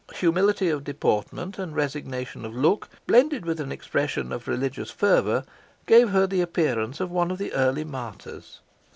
Humility of deportment and resignation of look, blended with an expression of religious fervour, gave her the appearance of one of the early martyrs.